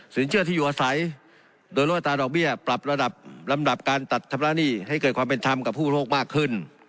เชื่อที่อยู่อาศัยโดยลดอัตราดอกเบี้ยปรับระดับลำดับการตัดชำระหนี้ให้เกิดความเป็นธรรมกับผู้โรคมากขึ้น